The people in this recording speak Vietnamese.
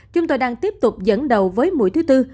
chúng tôi đang tiếp tục dẫn đầu với mũi thứ tư